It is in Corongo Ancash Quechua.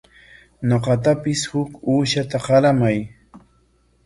Ñuqatapis huk uushata qaramay.